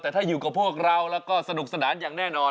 แต่ถ้าอยู่กับพวกเราแล้วก็สนุกสนานอย่างแน่นอน